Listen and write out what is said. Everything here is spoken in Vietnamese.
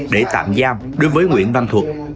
để tạm giam đối với nguyễn văn thuật